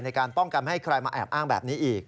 ในการป้องกันไม่ให้ใครมาแอบอ้างแบบนี้อีก